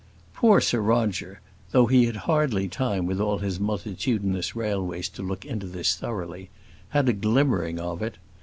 Poor Sir Roger, though he had hardly time with all his multitudinous railways to look into this thoroughly, had a glimmering of it.